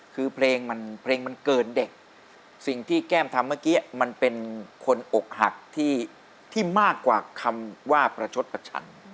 คือเพลงมันเพลงมันเกินเด็กสิ่งที่แก้มทำเมื่อกี้มันเป็นคนอกหักที่มากกว่าคำว่าประชดประชัน